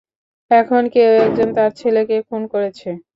এখন কেউ একজন তার ছেলেকে খুন করেছে।